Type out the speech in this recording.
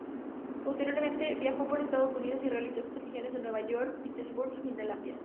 Posteriormente, viajó por Estados Unidos y realizó exposiciones en Nueva York, Pittsburg y Filadelfia.